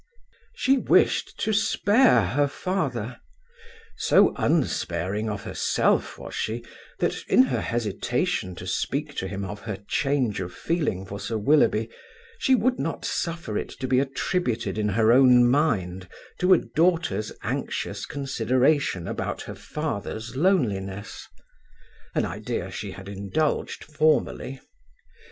She wished to spare her father. So unsparing of herself was she, that, in her hesitation to speak to him of her change of feeling for Sir Willoughby, she would not suffer it to be attributed in her own mind to a daughter's anxious consideration about her father's loneliness; an idea she had indulged formerly.